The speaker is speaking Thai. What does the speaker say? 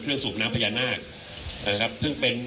คุณผู้ชมไปฟังผู้ว่ารัฐกาลจังหวัดเชียงรายแถลงตอนนี้ค่ะ